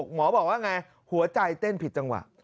หมอบอกว่าไงหัวใจเต้นผิดจังหวะ